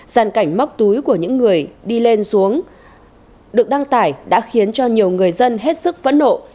giàn cảnh móc túi của những người đi lên xuống được đăng tải đã khiến cho nhiều người dân hết sức phẫn nộ